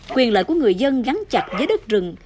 quyền lợi của người dân gắn chặt với đất rừng